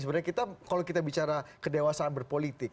sebenarnya kita kalau kita bicara kedewasaan berpolitik